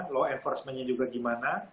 law enforcement nya juga gimana